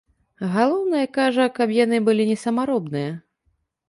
Галоўнае, кажа, каб яны былі не самаробныя.